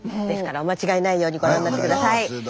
ですからお間違えないようにご覧になって下さい。